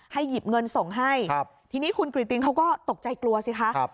หยิบเงินส่งให้ครับทีนี้คุณกริตตินเขาก็ตกใจกลัวสิคะ